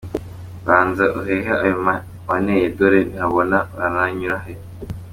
Banza uhehe ayo waneye dore ntihabona barayanyura he.